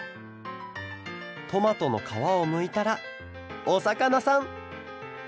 トマトのかわをむいたらおさかなさん！